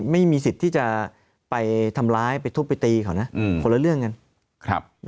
ไม่มีสิทธิ์ที่จะไปทำร้ายไปทุบไปตีเขานะคนละเรื่องกัน